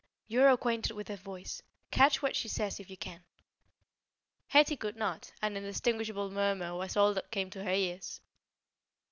"You are acquainted with her voice; catch what she says if you can." Hetty could not; an undistinguishable murmur was all that came to her ears.